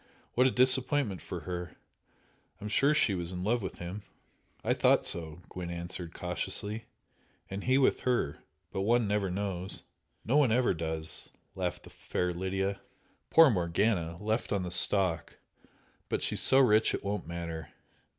What a disappointment for her! I'm sure she was in love with him!" "I thought so" Gwent answered, cautiously "And he with her! But one never knows " "No, one never does!" laughed the fair Lydia "Poor Morgana! Left on the stalk! But she's so rich it won't matter.